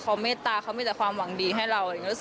เขาเมตตาเขามีแต่ความหวังดีให้เรา